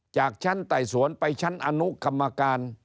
จากชั้นไต่สวนไปชั้นอนุกรรมการ